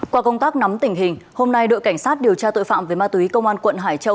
qua công tác nắm tình hình hôm nay đội cảnh sát điều tra tội phạm về ma túy công an quận hải châu